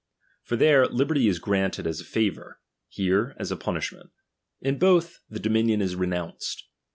For there, liberty is granted as a favour, here, as a punish ment : iu both, the dominion is renounced.